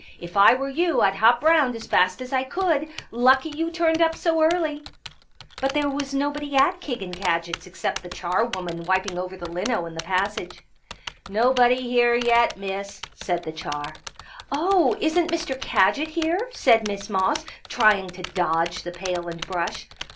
If I were you I'd hop round as fast as I could. Lucky you turned up so early ..." But there was nobody at Kig and Kadgit's except the charwoman wiping over the Hno " in the passage. " Nobody here ye^t, Miss," said the char. " Oh, isn't Mr. Kadgit here ?" said Miss Moss, trying to dodge the pail and brush.